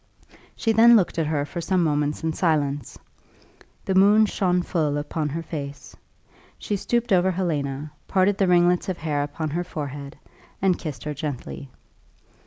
She then looked at her for some moments in silence. The moon shone full upon her face. She stooped over Helena, parted the ringlets of hair upon her forehead, and kissed her gently.